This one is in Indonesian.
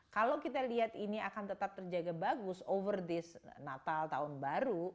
kalau kita lihat ini akan tetap terjaga bagus over this natal tahun baru